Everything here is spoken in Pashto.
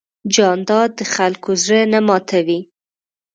جانداد د خلکو زړه نه ماتوي.